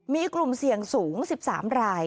มีกลุ่มเสี่ยงสูง๑๓ราย